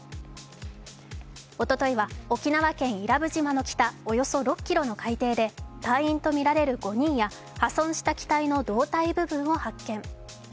おとといは沖縄県・伊良部島の北およそ６ｋｍの海底で隊員とみられる５人や破損した機体の胴体部分を発見。